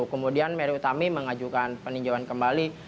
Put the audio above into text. kemudian mary utami mengajukan peninjauan kembali